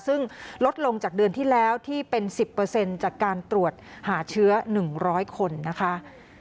ซึ่งลดลงจากเดือนที่แล้วที่เป็น๑๐จากการตรวจหาเชื้อ๑๐๐คนนะคะ